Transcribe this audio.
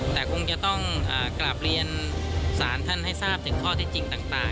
แต่คงจะต้องกราบเรียนศาลท่านให้ทราบถึงข้อที่จริงต่าง